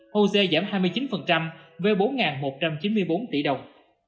jose giảm hai mươi chín với bốn một trăm chín mươi bốn tỷ đồng